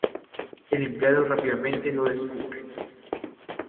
El empleado rápidamente lo descubre.